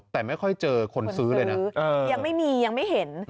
แต่ไม่ค่อยเจอคนซื้อเลยนะยังไม่มียังไม่เห็น